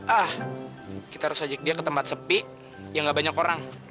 ah kita harus ajak dia ke tempat sepi ya gak banyak orang